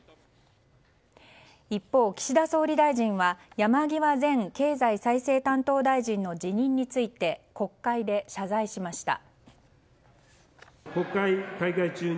一方、岸田総理大臣は山際前経済再生担当大臣の辞任について国会で謝罪しました。